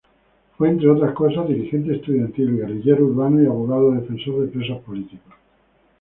Fue entre otras cosas dirigente estudiantil, guerrillero urbano y abogado defensor de presos políticos.